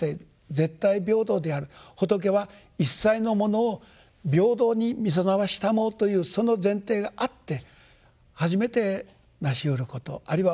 仏は一切のものを平等に見定めしたもうというその前提があって初めてなしうることあるいは行うべきことで。